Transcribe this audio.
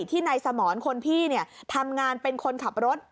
ที่นายสมรคนพี่ทำงานเป็นคนขับรถ